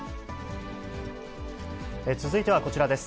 続いてはこちらです。